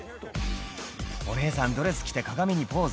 お姉さんドレス着て鏡にポーズ？